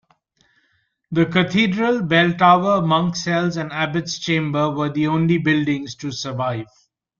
The cathedral, belltower, monk cells and abbot's chamber were the only buildings to survive.